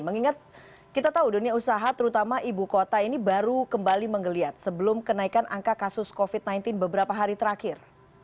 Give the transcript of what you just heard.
mengingat kita tahu dunia usaha terutama ibu kota ini baru kembali menggeliat sebelum kenaikan angka kasus covid sembilan belas beberapa hari terakhir